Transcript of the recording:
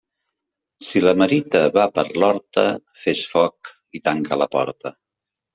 Si la merita va per l'horta, fes foc i tanca la porta.